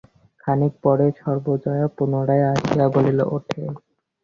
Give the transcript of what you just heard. খানিক পরে সর্বজয়া পুনরায় আসিয়া বলিল, ওঠে।